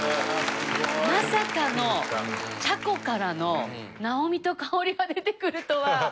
まさかの茶子からの奈緒美とかおりが出てくるとは。